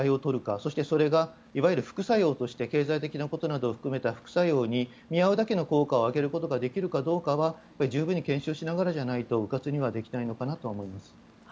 そしてそれがいわゆる副作用として経済的なことなどを含めた副作用に見合うだけの効果を挙げることができるかどうかは十分に検証しながらじゃないとうかつにはできないのかなと思います。